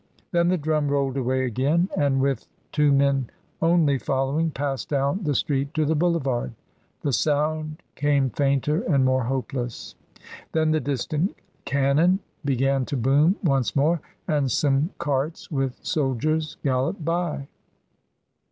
Then the drum rolled away again, and, with two men only following, passed down the street to the boulevard. The sound came fainter and more hopeless. Then the distant cannon be gan to boom once more, and some carts with soldiers galloped by.